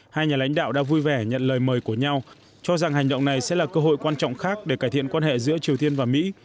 hai nhà lãnh đạo đã vui vẻ nhận lời mời của nhau cho rằng hành động này sẽ là cơ hội quan trọng khác để cải thiện quan hệ giữa triều tiên và mỹ